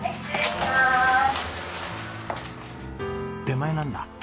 出前なんだ。